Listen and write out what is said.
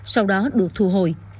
sau đó được thu hồi